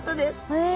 へえ。